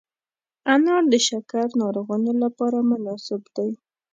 انار د شکر ناروغانو لپاره مناسب دی.